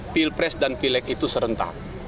pilpres dan pileg itu serentak